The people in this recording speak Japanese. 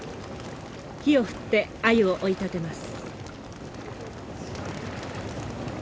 火を振ってアユを追い立てます。